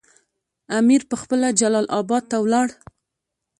امیر پخپله جلال اباد ته ولاړ.